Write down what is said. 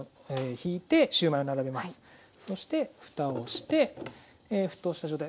そして蓋をして沸騰した状態。